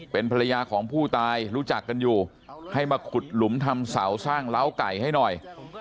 เป็นภรรยาของผู้ตายรู้จักกันอยู่ให้มาขุดหลุมทำเสาสร้างเล้าไก่ให้หน่อย